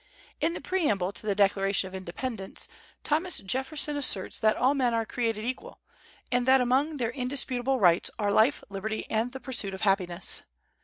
In the preamble to the Declaration of Independence, Thomas Jefferson asserts that "all men are created equal," and that among their indisputable rights are "life, liberty, and the pursuit of happiness."